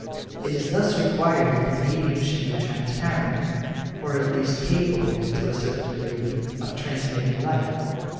It is thus required that the medium should be transparent, or at least capable, to a certain degree, of transmitting light.